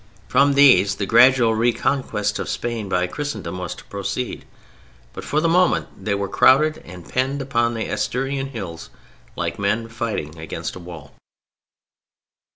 From these the gradual reconquest of Spain by Christendom was to proceed, but for the moment they were crowded and penned upon the Asturian hills like men fighting against a wall.